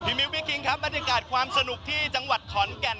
มิ้วพี่คิงครับบรรยากาศความสนุกที่จังหวัดขอนแก่น